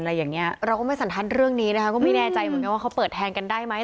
อะไรอย่างเงี้ยเราก็ไม่สันทัศน์เรื่องนี้นะคะก็ไม่แน่ใจเหมือนกันว่าเขาเปิดแทนกันได้ไหม